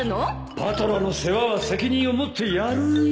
パトラの世話は責任を持ってやるよ